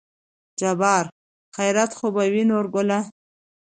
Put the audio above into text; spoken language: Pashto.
جبار : خېرت خو به وي نورګله